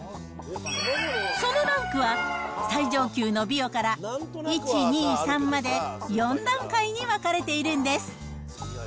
そのランクは最上級のビオから１、２、３まで４段階に分かれているんです。